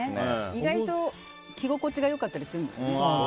意外と着心地が良かったりするんですよね。